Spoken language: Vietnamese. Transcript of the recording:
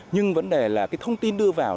nhưng vấn đề là thông tin đưa vào